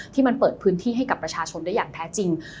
ที่มันเปิดพื้นที่ให้กับประชาชนได้อย่างแท้จริง